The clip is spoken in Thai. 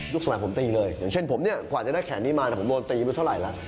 สมัยผมตีเลยอย่างเช่นผมเนี่ยกว่าจะได้แขนนี้มาผมโดนตีไม่เท่าไหร่แล้ว